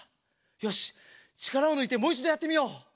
よしっちからをぬいてもういちどやってみよう！